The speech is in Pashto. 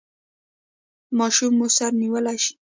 ماشوم مو سر نیولی شي؟